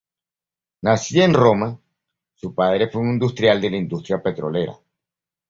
Nacida en Roma, su padre fue un industrial de la industria petrolera.